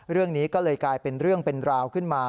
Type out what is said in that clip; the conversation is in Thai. เรื่องนี้ก็เลยกลายเป็นเรื่องเป็นราวขึ้นมา